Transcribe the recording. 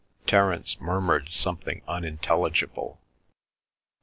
Terence murmured something unintelligible.